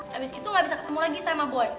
habis itu nggak bisa ketemu lagi sama boy